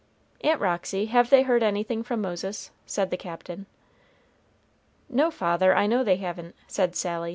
"Aunt Roxy, have they heard anything from Moses?" said the Captain. "No, father, I know they haven't," said Sally.